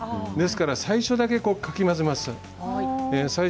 ですから最初はかき混ぜます。